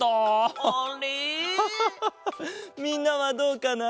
みんなはどうかな？